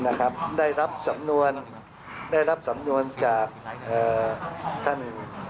นะครับได้รับสำนวนได้รับสำนวนจากเอ่อท่าน